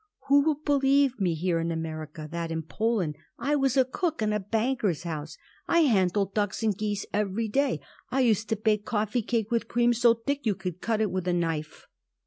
Who will believe me here in America that in Poland I was a cook in a banker's house? I handled ducks and geese every day. I used to bake coffee cake with cream so thick you could cut it with a knife."